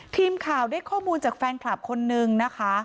ทีมข่าวได้ข้อมูลจากแฟนคลับคนนึงนะคะ